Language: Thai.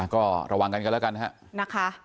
ก็ระวังกันกันแล้วกัน